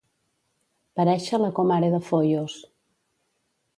Parèixer la comare de Foios.